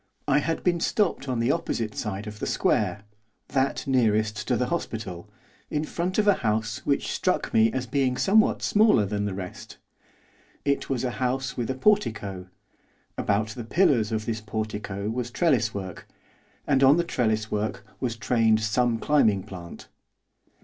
I had been stopped on the opposite side of the square, that nearest to the hospital; in front of a house which struck me as being somewhat smaller than the rest. It was a house with a portico; about the pillars of this portico was trelliswork, and on the trelliswork was trained some climbing plant.